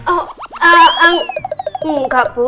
oh eh enggak bu